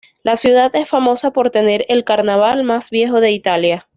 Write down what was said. La ciudad es famosa por tener el carnaval más viejo de Italia.